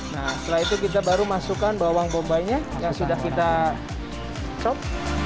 nah setelah itu kita baru masukkan bawang bombaynya yang sudah kita cop